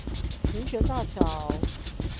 民權大橋